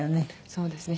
そうですね。